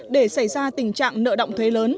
để xảy ra tình trạng nợ động thuế lớn